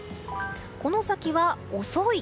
この先は遅い。